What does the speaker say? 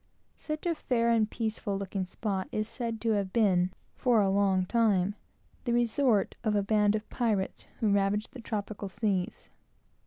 Such a fair and peaceful looking spot is said to have been, for a long time, the resort of a band of pirates, who ravaged the tropical seas.